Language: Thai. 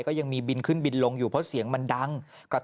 ก็ยังมีบินขึ้นบินลงอยู่เพราะเสียงมันดัง